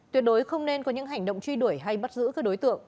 tuyệt đối không nên có những hành động truy đuổi hay bắt giữ các đối tượng